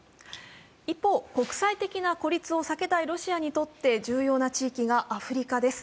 一方、国際的な孤立を避けたいロシアにとって重要な地域がアフリカです。